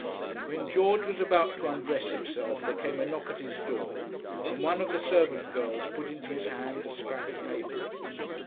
When George was about to undress himself there came a knock at his door, and one of the servant girls put into his hand a scrap of paper.